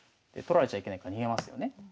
取られちゃいけないから逃げますよね。